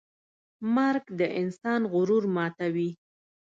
مرګ د انسان غرور ماتوي.